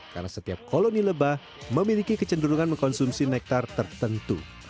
karena setiap koloni lebah memiliki kecenderungan mengkonsumsi nektar tertentu